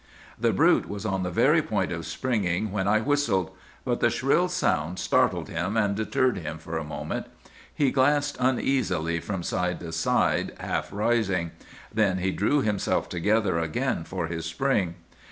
"'The brute was on the very point of springing when I whistled; but the shrill sound startled him, and deterred him for a moment. He glanced uneasily from side to side, half rising. Then he drew himself together again for his spring.